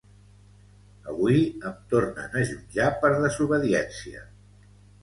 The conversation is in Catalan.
Avui em tornen a jutjar per desobediència.